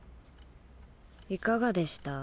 いかがでした？